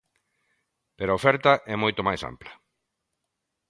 Pero a oferta é moito máis ampla.